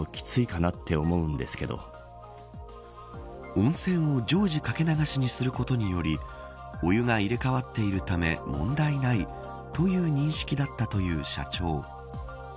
温泉を常時掛け流しにすることによりお湯が入れ替わっているため問題ないという認識だったという社長。